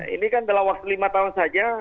ini kan dalam waktu lima tahun saja